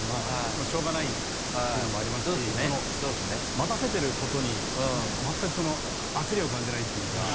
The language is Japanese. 待たせてることにまったく焦りを感じないというか。